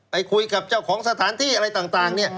ไปคุยกับเจ้าของสถานที่อะไรต่างเนี่ย